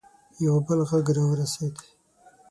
یو بل غږ راورسېد.